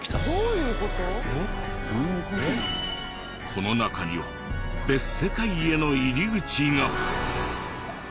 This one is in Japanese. この中には別世界への入り口が。